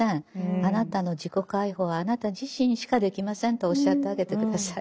あなたの自己解放はあなた自身しかできません」とおっしゃってあげて下さい。